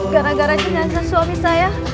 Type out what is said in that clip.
gara gara jenazah suami saya